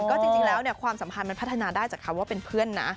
ก็จริงแล้วความสัมพันธ์มันพัฒนาได้จากคำว่าเป็นเพื่อนนะ